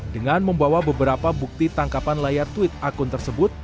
dengan membawa beberapa bukti tangkapan layar tweet akun tersebut